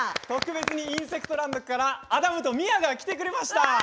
特別に「インセクトランド」からアダムとミアが来てくれました。